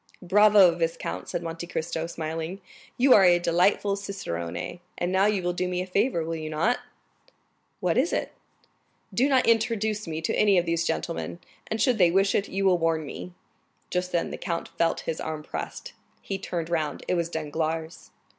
"Bravo, viscount," said Monte Cristo, smiling; "you are a delightful cicerone. And now you will do me a favor, will you not?" "What is it?" "Do not introduce me to any of these gentlemen; and should they wish it, you will warn me." Just then the count felt his arm pressed. He turned round; it was Danglars.